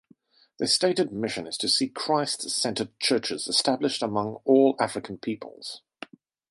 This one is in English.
Their stated mission is to see Christ-centered churches established among all African peoples.